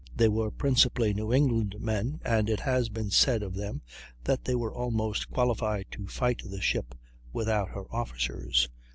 They were principally New England men, and it has been said of them that they were almost qualified to fight the ship without her officers."